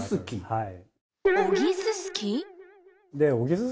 はい。